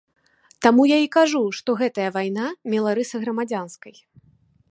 Таму я і кажу, што гэтая вайна мела рысы грамадзянскай.